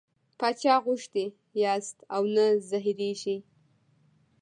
باچا غوښتي یاست او نه زهرېږئ.